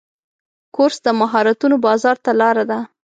کورس د مهارتونو بازار ته لاره ده.